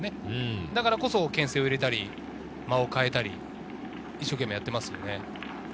だからこそ、けん制を入れたり、間を変えたり一生懸命やっていますね。